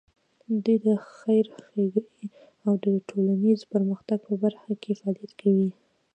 دوی د خیر ښېګڼې او د ټولنیز پرمختګ په برخه کې فعالیت کوي.